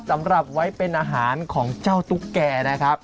สำหรับไว้เป็นอาหารของเจ้าตุ๊กแก่นะครับ